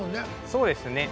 そうですね。